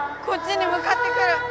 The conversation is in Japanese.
こっちにむかってくる。